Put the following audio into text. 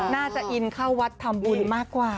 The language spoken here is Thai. น่าจะอินเข้าวัดทำบุญมากกว่า